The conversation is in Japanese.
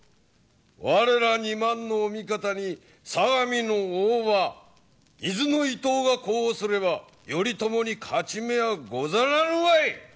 我ら２万のお味方に相模の大庭伊豆の伊東が呼応すれば頼朝に勝ち目はござらぬわい！